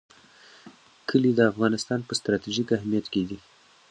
کلي د افغانستان په ستراتیژیک اهمیت کې دي.